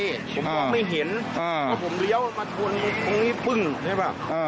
ผมบอกไม่เห็นแล้วผมเลี้ยวมาชนตรงนี้ปึ้งใช่ไหม